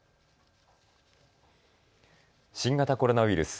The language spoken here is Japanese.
新型コロナウイルス。